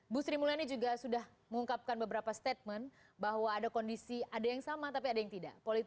bu sri mulyani juga sudah mengungkapkan beberapa statement bahwa ada kondisi ada yang sama tapi ada yang tidak